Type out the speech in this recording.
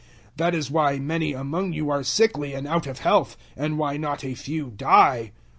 011:030 That is why many among you are sickly and out of health, and why not a few die.